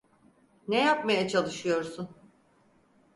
Ne yapmaya çalışıyorsun?